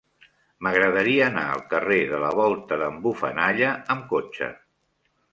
M'agradaria anar al carrer de la Volta d'en Bufanalla amb cotxe.